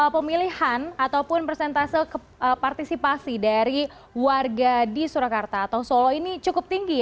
pemilihan ataupun persentase partisipasi dari warga di surakarta atau solo ini cukup tinggi